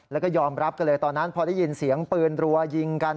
แล้วก็ยอมรับกันเลยตอนนั้นพอได้ยินเสียงปืนรัวยิงกัน